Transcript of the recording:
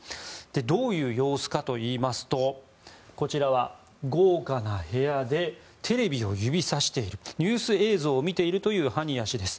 どういう様子かといいますとこちらは豪華な部屋でテレビを指さしているニュース映像を見ているというハニヤ氏です。